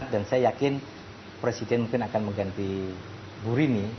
dan saya yakin presiden mungkin akan mengganti burini